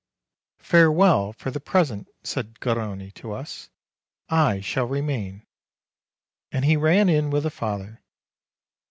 "Farewell for the present," said Garrone to us; "I shall remain," and he ran in with the father.